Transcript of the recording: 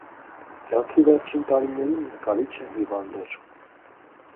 Կյանքի վերջին տարիներին նկարիչը հիվանդ էր։